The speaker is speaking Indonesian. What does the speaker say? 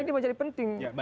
ini menjadi penting